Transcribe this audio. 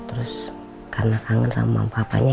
terus karena kangen sama papanya